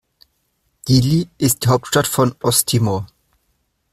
Dili ist die Hauptstadt von Osttimor.